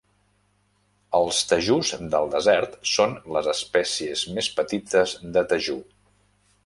Els tejús del desert són les espècies més petites de tejú